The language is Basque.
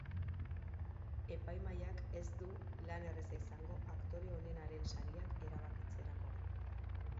Epaimahaiak ez du lan erraza izango aktore onenaren sariak erabakitzerakoan.